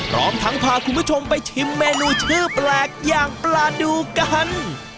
พร้อมทั้งพาคุณผู้ชมไปชิมเมนูชื่อแปลกอย่างปลาดูกัน